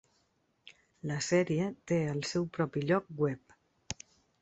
La sèrie té el seu propi lloc web.